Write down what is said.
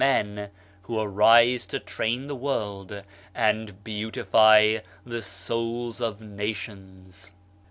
men) who arise to train the world and beautify the souls of nations."